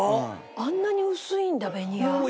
あんなに薄いんだベニヤ。